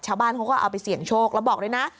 ชาวบ้านเขาก็เอาไปเสี่ยงโชคแล้วบอกด้วยนะ